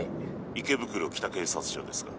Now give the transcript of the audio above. ☎池袋北警察署ですが。